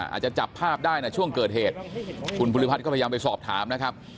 อาจจะจับภาพได้นะช่วงเกิดเหตุคุณภูริพัฒน์ก็พยายามไปสอบถามนะครับ